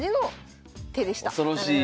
恐ろしい。